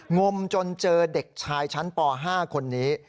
งมจนเจอเด็กชายชั้นป๕คนนี้